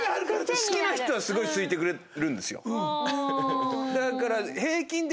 好きな人はすごい好いてくれるんですよ。